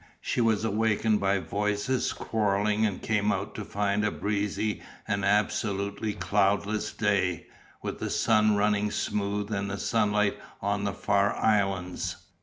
She was awakened by voices quarrelling and came out to find a breezy and absolutely cloudless day, with the sea running smooth and the sunlight on the far islands.